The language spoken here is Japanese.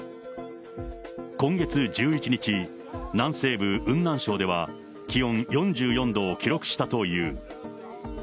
今月１１日、南西部雲南省では、気温４４度を記録したという。